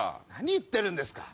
何言ってるんですか！